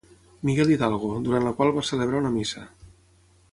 Miguel Hidalgo, durant la qual va celebrar una missa.